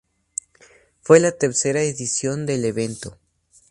Fue la tercera edición del evento.